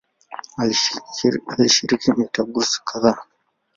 Alishiriki mitaguso kadhaa.